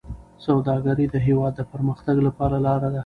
سوداګري د هېواد د پرمختګ لاره ده.